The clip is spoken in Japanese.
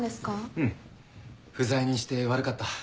うん不在にして悪かった。